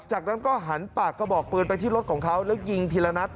จากนั้นก็หันปากกระบอกปืนไปที่รถของเขาแล้วยิงทีละนัด